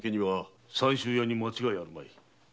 三州屋に間違いあるまい。